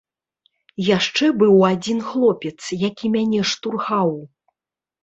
Яшчэ быў адзін хлопец, які мяне штурхаў.